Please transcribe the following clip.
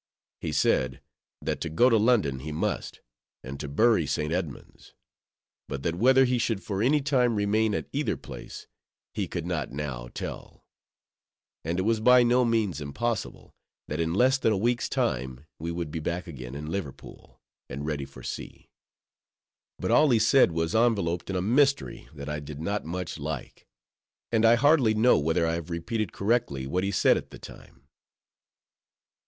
He said, that go to London he must, and to Bury St. Edmunds; but that whether he should for any time remain at either place, he could not now tell; and it was by no means impossible, that in less than a week's time we would be back again in Liverpool, and ready for sea. But all he said was enveloped in a mystery that I did not much like; and I hardly know whether I have repeated correctly what he said at the time.